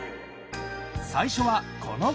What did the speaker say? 最初はこの曲！